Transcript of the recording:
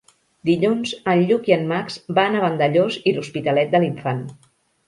Dilluns en Lluc i en Max van a Vandellòs i l'Hospitalet de l'Infant.